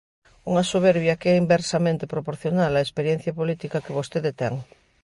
Unha soberbia que é inversamente proporcional á experiencia política que vostede ten.